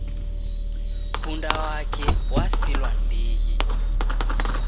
Punda wake wasilwa ni ndighi